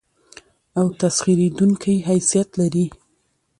او تسخېرېدونکى حيثيت لري.